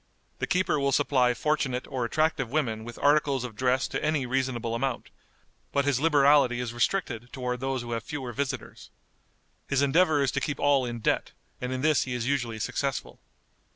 The keeper will supply fortunate or attractive women with articles of dress to any reasonable amount, but his liberality is restricted toward those who have fewer visitors. His endeavor is to keep all in debt, and in this he is usually successful.